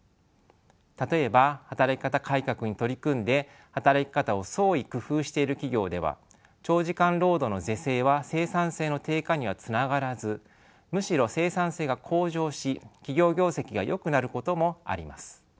例えば働き方改革に取り組んで働き方を創意工夫している企業では長時間労働の是正は生産性の低下にはつながらずむしろ生産性が向上し企業業績がよくなることもあります。